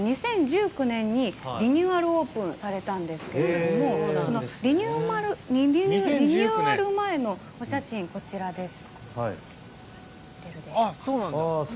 ２０１９年にリニューアルオープンされたんですがこのリニューアル前のお写真がこちらです。